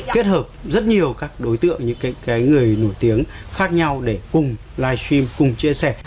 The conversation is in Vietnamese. kết hợp rất nhiều các đối tượng những người nổi tiếng khác nhau để cùng live stream cùng chia sẻ